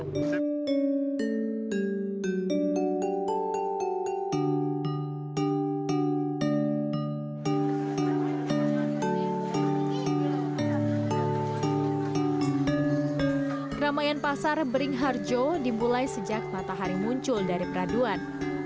namaian pasar bering harjo dimulai sejak matahari muncul dari peraduan